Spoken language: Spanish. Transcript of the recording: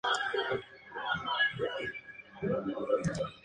Su denominación hace referencia la ciudad de Frías.